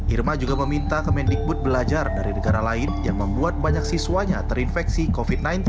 irma juga meminta kemendikbud belajar dari negara lain yang membuat banyak siswanya terinfeksi covid sembilan belas